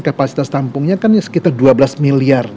kapasitas tampungnya kan sekitar dua belas miliar